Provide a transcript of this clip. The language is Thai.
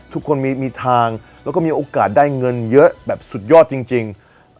ทุกคนมีทางแล้วก็มีโอกาสได้เงินเยอะแบบสุดยอดจริง